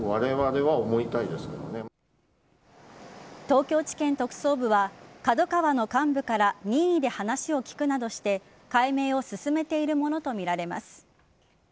東京地検特捜部はＫＡＤＯＫＡＷＡの幹部から任意で話を聞くなどして解明を進めているものとみられます。